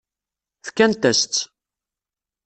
Fkant-as-tt.